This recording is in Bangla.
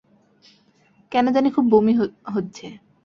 কেন জানি খুব বমি হচ্ছে।